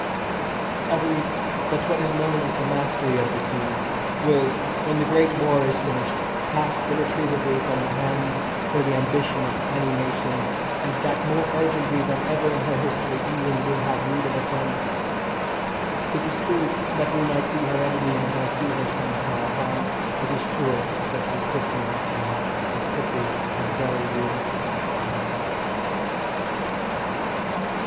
I believe that what is known as the "mastery of the seas" will, when the great war is finished, pass irretrievably from the hands or the ambition of any nation, and that more urgently than ever in her history England will have need of a friend. It is true that we might be her enemy and might do her some small harm it is truer that we could be her friend, and could be of very real assistance to her.